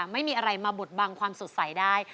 ไม่มีอะไรมาบดบังความสดใสได้